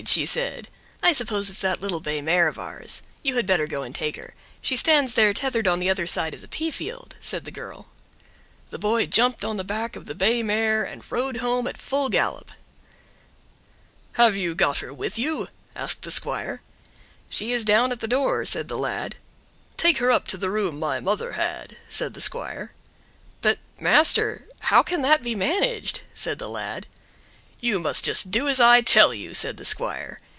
she said. "I suppose it's that little bay mare of ours. You had better go and take her. She stands there tethered on the other side of the pea field," said the girl. The boy jumped on the back of the bay mare and rode home at full gallop. "Have you got her with you?" asked the squire. "She is down at the door," said the lad. "Take her up to the room my mother had," said the squire. "But master, how can that be managed?" said the lad. "You must just do as I tell you," said the squire.